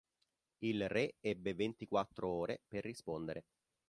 Il re ebbe ventiquattro ore per rispondere.